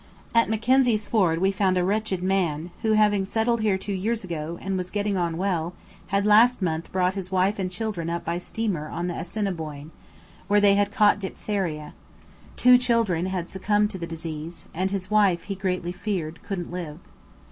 At Mackenzie's Ford we found a wretched man who, having settled here two years ago, and was getting on well, had last month brought his wife and children up by steamer on the Assiniboine, where they had caught diphtheria; two children had succumbed to the disease, and his wife, he greatly feared, couldn't live.